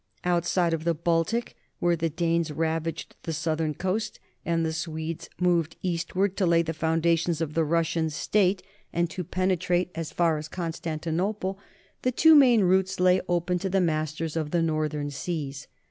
Outside of the Baltic, where the Danes ravaged the southern coast and the Swedes moved eastward to lay the foundations of the Russian state and to penetrate THE COMING OF THE NORTHMEN 31 as far as Constantinople, two main routes lay open to the masters of the northern seas.